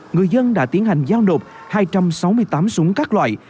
người dân đã tiến hành giao nộp hai trăm sáu mươi tám súng các loại